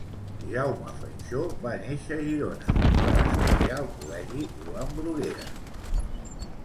Jaume Faixó va néixer a Girona i va estudiar al col·legi Joan Bruguera.